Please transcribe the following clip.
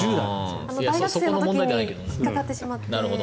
大学生の時に引っかかってしまって。